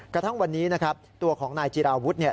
กระทั่งวันนี้นะครับตัวของนายจิราวุฒิเนี่ย